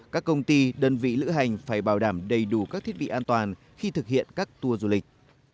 các công ty đơn vị lữ hành phải bảo đảm đầy đủ các thiết bị an toàn khi thực hiện các tour du lịch